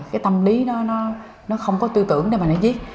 cái tâm lý nó không có tư tưởng để mà nó viết